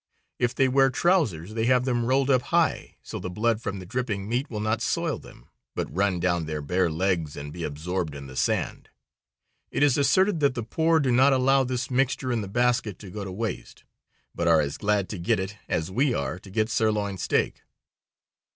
If they wear trousers they have them rolled up high so the blood from the dripping meat will not soil them, but run down their bare legs and be absorbed in the sand. It is asserted that the poor do not allow this mixture in the basket to go to waste, but are as glad to get it as we are to get sirloin steak.